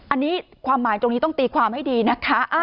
อันนี้ความหมายตรงนี้ต้องตีความให้ดีนะคะ